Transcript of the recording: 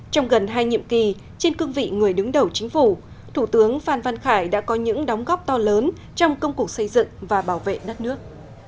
trong gần hai nhiệm kỳ trên cương vị người đứng đầu chính phủ thủ tướng phan văn khải đã có những đóng góp to lớn trong công cuộc xây dựng và bảo vệ đất nước